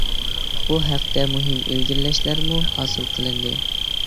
بۇ ھەقتە مۇھىم ئىلگىرىلەشلەرمۇ ھاسىل قىلىندى.